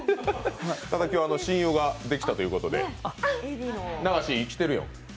ただ今日は親友ができたということで、永椎、来てるよ。